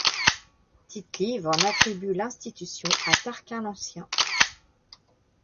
Tite-Live en attribue l'institution à Tarquin l'Ancien.